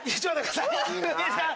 いいですか？